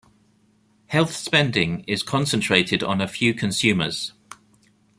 Health spending is concentrated on a few consumers.